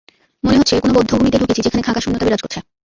মনে হচ্ছে, কোনো বধ্যভূমিতে ঢুকেছি যেখানে খাঁ খাঁ শূন্যতা বিরাজ করছে।